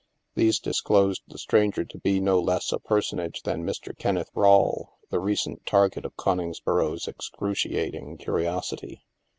These disclosed the stranger to be no less a person age than Mr. Kenneth Rawle, the recent target of Coningsboro's excruciating curiosity.